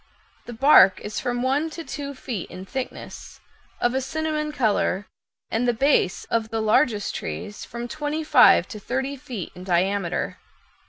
The bark is from one to two feet in thickness, of a cinnamon color, and the base of the largest trees from twenty five to thirty feet in diameter.